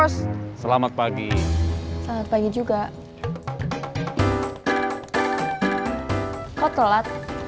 sampai jumpa di video selanjutnya